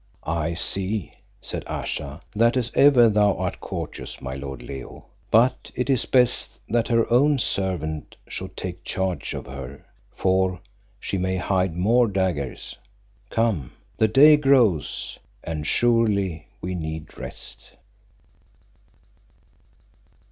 "I see," said Ayesha, "that as ever, thou art courteous, my lord Leo, but it is best that her own servant should take charge of her, for she may hide more daggers. Come, the day grows, and surely we need rest."